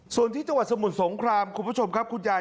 ส่วนที่จังหวัดสมุทรสงครามคุณผู้ชมครับคุณยาย